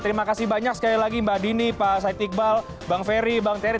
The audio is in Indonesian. terima kasih banyak sekali lagi mbak dini pak said iqbal bang ferry bang terry